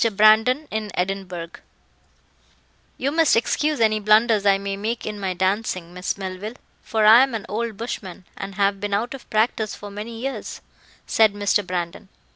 Brandon In Edinburgh "You must excuse any blunders I may make in my dancing, Miss Melville, for I am an old bushman, and have been out of practice for many years," said Mr. Brandon.